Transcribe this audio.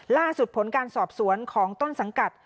ล่าสุดผลการสอบสวนของต้นสังกัด